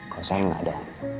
kalau saya gak ada